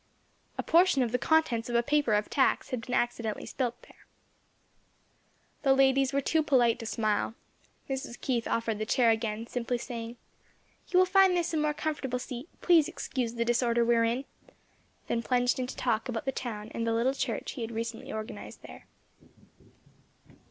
A portion of the contents of a paper of tacks had been accidentally spilt there. The ladies were too polite to smile. Mrs. Keith offered the chair again, simply saying, "You will find this a more comfortable seat; please excuse the disorder we are in;" then plunged into talk about the town and the little church he had recently organized there.